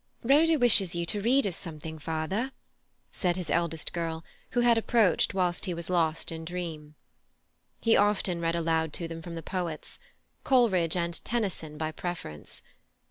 "Rhoda wishes you to read us something, father," said his eldest girl, who had approached whilst he was lost in dream. He often read aloud to them from the poets; Coleridge and Tennyson by preference.